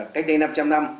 cách đây năm trăm linh năm